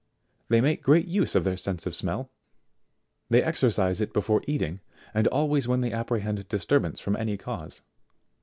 They make great use of their sense of smell ; they exercise it before eating, and always when they apprehend disturbance from any cause.